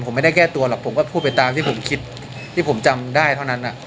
ผมไม่ได้แก้ตัวหรอกผมก็พูดไปตามที่ผมคิดที่ผมจำได้เท่านั้น